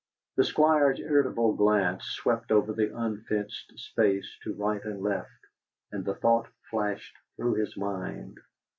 The Squire's irritable glance swept over the unfenced space to right and left, and the thought flashed through his mind